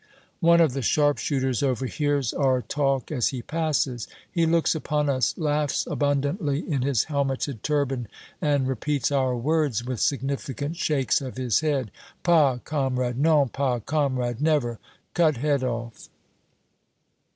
One of the sharpshooters overhears our talk as he passes. He looks upon us, laughs abundantly in his helmeted turban, and repeats our words with significant shakes of his head: "Pas Kam'rad, non pas Kam'rad, never! Cut head off!"